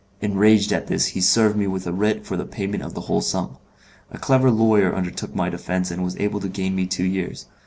Enraged at this he served me with a writ for the payment of the whole sum. A clever lawyer undertook my defence and was able to gain me two years.